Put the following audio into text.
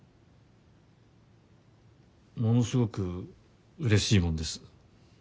ものすごくうれしいもんです。